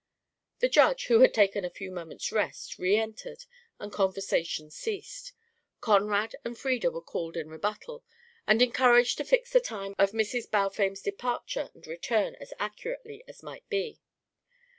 The Judge, who had taken a few moments' rest, re entered, and conversation ceased. Conrad and Frieda were called in rebuttal, and encouraged to fix the time of Mrs. Balfame's departure and return as accurately as might be.